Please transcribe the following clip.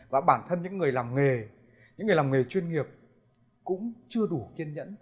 và bản thân những người làm nghề những người làm nghề chuyên nghiệp cũng chưa đủ kiên nhẫn